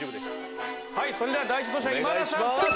はいそれでは第１走者今田さんスタート。